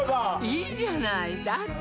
いいじゃないだって